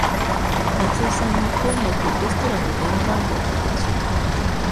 松井さんに今夜行くレストランの電話番号を聞きました。